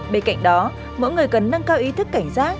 bên cạnh đó mỗi người cần nâng cao ý thức cảnh giác